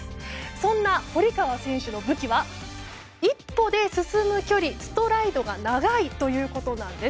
そんな堀川選手の武器は１歩で進む距離ストライドが長いということなんです。